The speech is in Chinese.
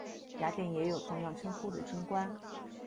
雅典也有同样称呼的军官。